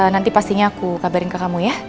nanti pastinya aku kabarin ke kamu ya